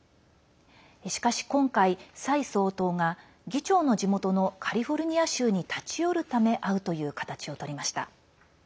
しかし今回、蔡総統が議長の地元のカリフォルニア州に立ち寄るため会うという形をとりました。